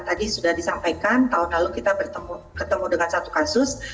tadi sudah disampaikan tahun lalu kita bertemu dengan satu kasus